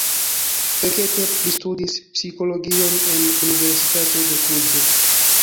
Fekete pristudis psikologion en Universitato de Kluĵo.